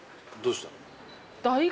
どうした？